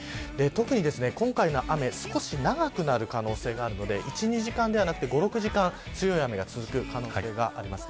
特に今回の雨少し長くなる可能性があるので１、２時間ではなく５、６時間、強い雨が続く可能性があります。